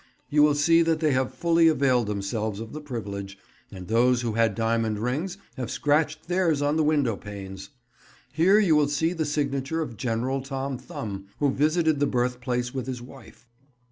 You will see that they have fully availed themselves of the privilege, and those who had diamond rings have scratched theirs on the window panes. Here you will see the signature of General Tom Thumb, who visited the Birthplace with his wife.